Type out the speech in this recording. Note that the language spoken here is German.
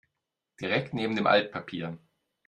Direkt neben dem Altpapier.